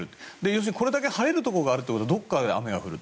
要するにこれだけ晴れるところがあるということはどこかで雨が降る。